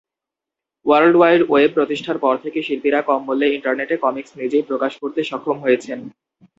World wide web প্রতিষ্ঠার পর থেকে শিল্পীরা কম মূল্যে ইন্টারনেট এ কমিকস নিজেই প্রকাশ করতে সক্ষম হয়েছেন।